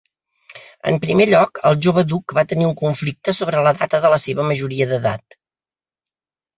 En primer lloc, el jove duc va tenir un conflicte sobre la data de la seva majoria d'edat.